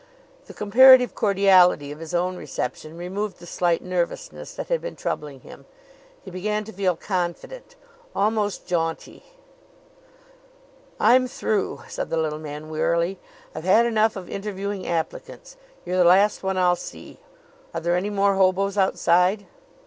The comparative cordiality of his own reception removed the slight nervousness that had been troubling him. He began to feel confident almost jaunty. "I'm through," said the little man wearily. "I've had enough of interviewing applicants. You're the last one I'll see. Are there any more hobos outside?"